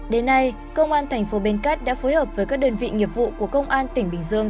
đến nay công an thành phố bến cát đã phối hợp với các đơn vị nghiệp vụ của công an tỉnh bình dương